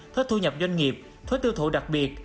thuế thu nhập doanh nghiệp thuế tiêu thụ đặc biệt